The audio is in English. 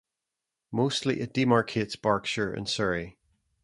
Mostly it demarcates Berkshire and Surrey.